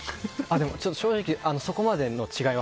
正直そこまでの違いは。